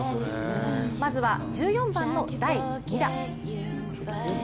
まずは１４番の第２打。